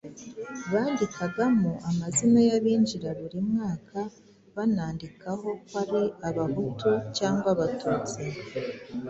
bandikagamo amazina y'abinjira buri mwaka banandikaho ko ari Abahutu cyangwa Abatutsi